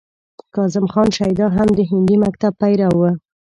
کاظم خان شیدا هم د هندي مکتب پیرو و.